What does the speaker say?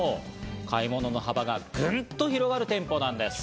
買い物の幅がぐんと広がる店舗なんです。